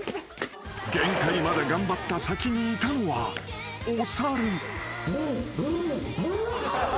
［限界まで頑張った先にいたのはお猿］